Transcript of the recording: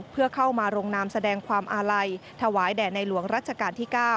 เพื่อเข้ามาลงนามแสดงความอาลัยถวายแด่ในหลวงรัชกาลที่๙